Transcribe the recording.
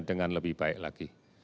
dengan lebih baik lagi